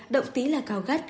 động tí là cao gắt